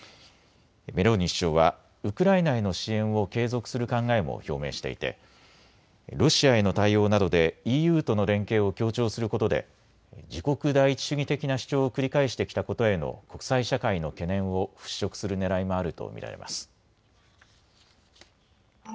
メローニ首相はウクライナへの支援を継続する考えも表明していてロシアへの対応などでＥＵとの連携を強調することで自国第一主義的な主張を繰り返してきたことへの国際社会の懸念を払拭するねらいもあると見られます。